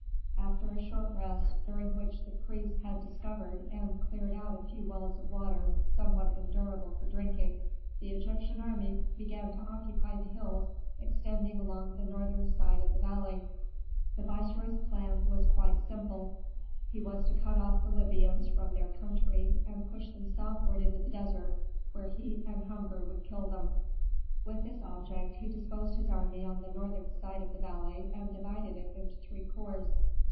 After a short rest, during which the priests had discovered and cleared out a few wells of water somewhat endurable for drinking, the Egyptian army began to occupy the hills extending along the northern side of the valley. The viceroy's plan was quite simple. He was to cut off the Libyans from their country, and push them southward into the desert, where heat and hunger would kill them. With this object he disposed his army on the northern side of the valley and divided it into three corps.